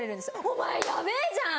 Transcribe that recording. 「お前ヤベェじゃん！」